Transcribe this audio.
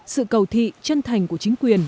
sự cầu thị chân thành của chính quyền